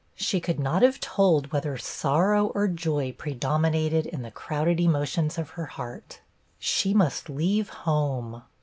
. She could not have told whether sorrow or joy predominated in the crowded emotions of her heart. She must leave home.